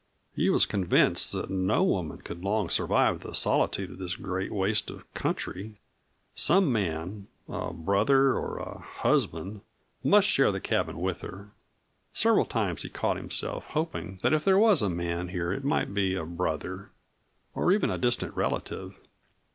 He was convinced that no woman could long survive the solitude of this great waste of country some man a brother or a husband must share the cabin with her. Several times he caught himself hoping that if there was a man here it might be a brother, or even a distant relative.